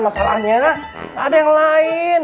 masalahnya ada yang lain